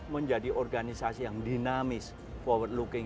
menjadi organisasi yang dinamis forward looking